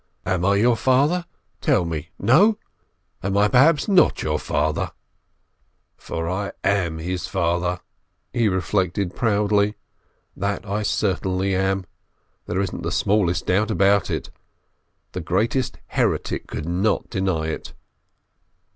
"Am I your father ? Tell me — no ? Am I perhaps not your father ?" "For I am his father," he reflected proudly. "That I certainly am, there isn't the smallest doubt about it! The greatest heretic could not deny it!"